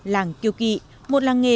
làng kiều kỵ một làng nghề